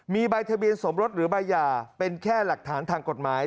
มีใบทะเบียนสมรสหรือใบหย่าเป็นแค่หลักฐานทางกฎหมาย